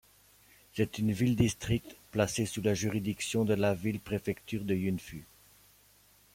C'est une ville-district placée sous la juridiction de la ville-préfecture de Yunfu.